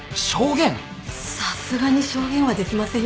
さすがに証言はできませんよ。